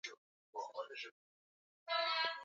ina ina yaani biashara thamani yake iko juu